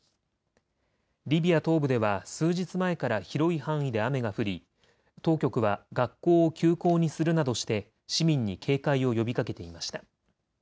リビア東部では数日前から広い範囲で雨が降り、当局は学校を休校にするなどして市民に警戒を呼びかけていました。